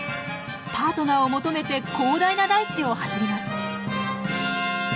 パートナーを求めて広大な大地を走ります。